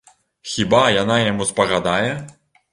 Хіба яна яму спагадае?